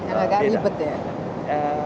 agak ribet ya